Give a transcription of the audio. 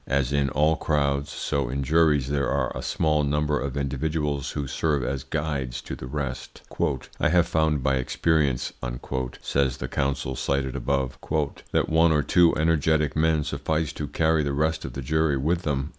As in all crowds, so in juries there are a small number of individuals who serve as guides to the rest. "I have found by experience," says the counsel cited above, "that one or two energetic men suffice to carry the rest of the jury with them."